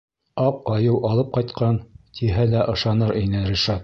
Аҡ айыу алып ҡайтҡан, тиһә лә ышаныр ине Ришат.